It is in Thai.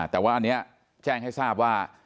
แต่ว่าอันนี้แจ้งให้ทราบว่า